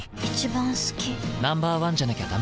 Ｎｏ．１じゃなきゃダメだ。